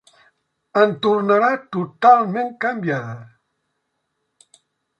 En tornarà totalment canviada.